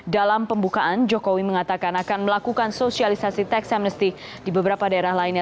dalam pembukaan jokowi mengatakan akan melakukan sosialisasi tax amnesty di beberapa daerah lainnya